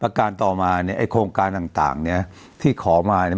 การต่อมาเนี่ยไอ้โครงการต่างต่างเนี้ยที่ขอมาเนี่ย